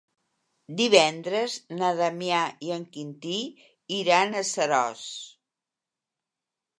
Divendres na Damià i en Quintí iran a Seròs.